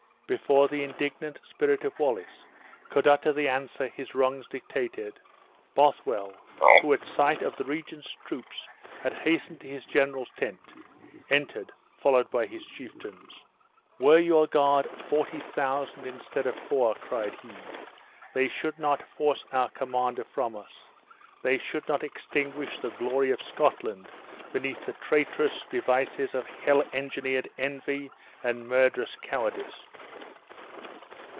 Before the indignant spirit of Wallace could utter the answer his wrongs dictated, Bothwell, who at sight of the regent's troops had hastened to his general's tent, entered, followed by his chieftains: "Were your guard forty thousand, instead of four," cried he, "they should not force our commander from us they should not extinguish the glory of Scotland beneath the traitorous devices of hell engendered envy and murderous cowardice."